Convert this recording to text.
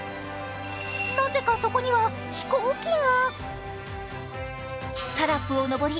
なぜか、そこには飛行機が！